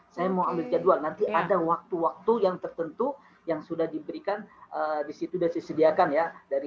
saya mau ambil jadwal nanti ada waktu waktu yang tertentu yang sudah diberikan disitu dan disediakan ya